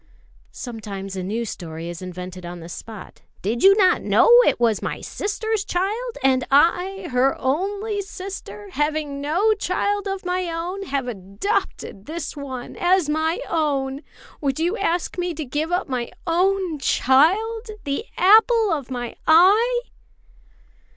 '" Sometimes a new story is invented on the spot. "Did you not know it was my sister's child; and I, her only sister, having no child of my own, have adopted this one as my own? Would you ask me to give up my own child, the apple of my eye?"